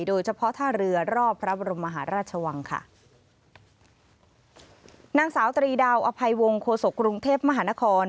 โดยเฉพาะท่าเรือรอบพระบรมมหาราชวังค่ะนางสาวตรีดาวอภัยวงโฆษกรุงเทพมหานคร